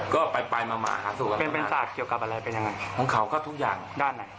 ก็ไปมามาหาสู่กันมานานของเขาก็ทุกอย่างรุ่น